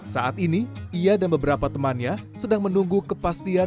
saat ini ia dan beberapa temannya sedang menunggu kepastian